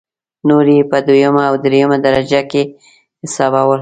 نور یې په دویمه او درېمه درجه کې حسابول.